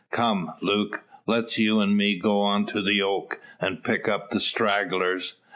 Come, Luke! let you an' me go on to the oak, and pick up the stragglers.